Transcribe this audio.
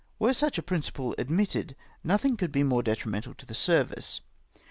Were such a prmciple admitted, nothing could be more detrimental to the service.